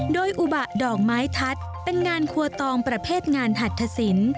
โดยอุบะดอกไม้ทัศน์เป็นงานครัวตองประเภทงานหัตถสิน